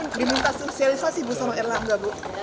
bakal dievaluasi katanya diminta sosialisasi bu sama erlangga bu